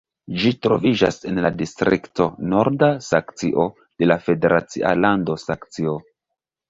Ĝi troviĝas en la distrikto Norda Saksio de la federacia lando Saksio.